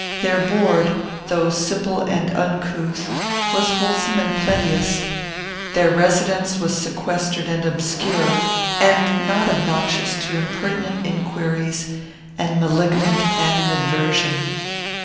Their board, though simple and uncouth, was wholesome and plenteous. Their residence was sequestered and obscure, and not obnoxious to impertinent inquiries and malignant animadversion.